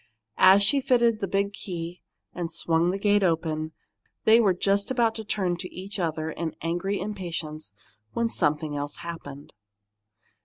As she fitted the big key and swung the gate open, they were just about to turn to each other in angry impatience when something else happened.